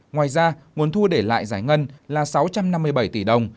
ngoài ra nguồn thu để lại giải ngân là sáu trăm năm mươi bảy tỷ đồng